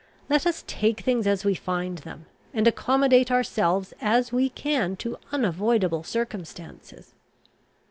Let us take things as we find them; and accommodate ourselves as we can to unavoidable circumstances."